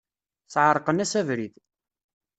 Sεerqen-as abrid.